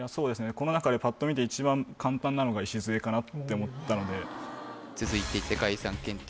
この中でパッと見て一番簡単なのがいしずえかなって思ったので続いて世界遺産検定